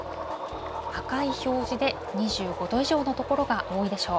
赤い表示で、２５度以上の所が多いでしょう。